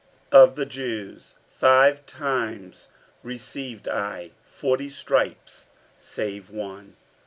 47:011:024 Of the Jews five times received I forty stripes save one.